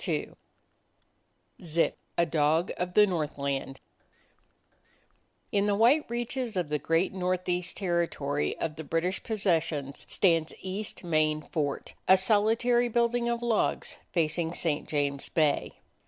26 ZIP : A DOG OF THE NORTHLAND I N the white reaches of the great Northeast Territory of the British possessions stands East Main Fort, a solitary building of logs, facing St. James Bay.